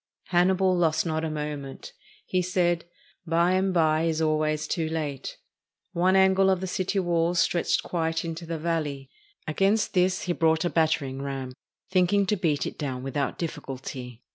Hannibal lost not a moment. He said, "By and by is always too late." One angle of the city wall stretched quite into the valley. Against this he brought a batter ing ram, thinking to beat it down without difficulty.